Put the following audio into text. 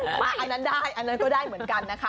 อันนั้นได้อันนั้นก็ได้เหมือนกันนะคะ